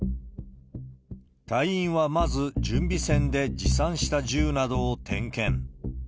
隊員はまず、準備線で持参した銃などを点検。